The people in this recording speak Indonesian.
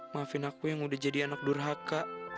maafin aku yang udah jadi anak durhaka